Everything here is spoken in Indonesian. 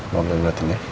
maafkan herbatin ya